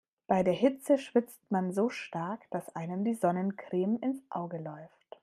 Bei der Hitze schwitzt man so stark, dass einem die Sonnencreme ins Auge läuft.